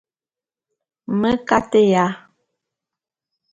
Me kateya.